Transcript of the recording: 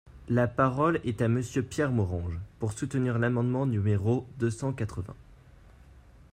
La parole est à Monsieur Pierre Morange, pour soutenir l’amendement numéro deux cent quatre-vingts.